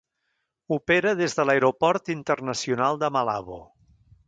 Opera des de l'Aeroport Internacional de Malabo.